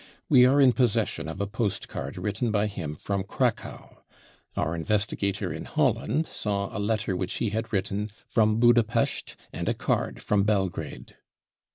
We are in possession of a postcard written by him from Cracow. Our investigator in Holland saw a letter which he had written from Budapest and a card from Belgrade.